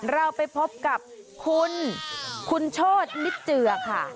เราไปพบกับคุณคุณโชธมิตรเจือค่ะ